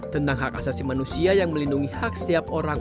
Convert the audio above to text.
tentang hak asasi manusia yang melindungi hak setiap orang